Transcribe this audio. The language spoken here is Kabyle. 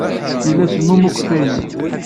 Yella semmum ukeffay-nni.